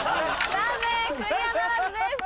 残念クリアならずです。